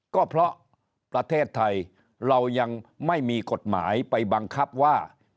ก็เพราะประเทศไทยเรายังไม่มีกฎหมายไปบังคับว่า